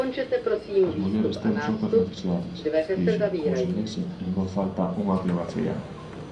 _As mulleres temos outras necesidades _dixo, como se lese en voz alta unha biografía.